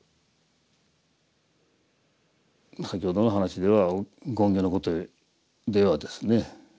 先ほどの話では勤行のことではですね